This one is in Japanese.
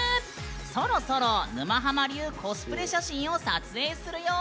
そろそろ沼ハマ流コスプレ写真を撮影するよ！